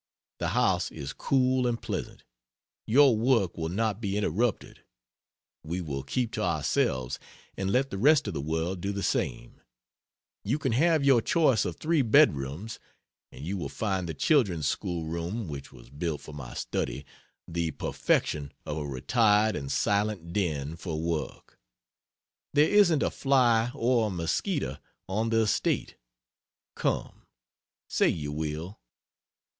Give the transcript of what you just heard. The house is cool and pleasant; your work will not be interrupted; we will keep to ourselves and let the rest of the world do the same; you can have your choice of three bedrooms, and you will find the Children's schoolroom (which was built for my study,) the perfection of a retired and silent den for work. There isn't a fly or a mosquito on the estate. Come say you will.